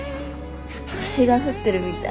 星が降ってるみたい。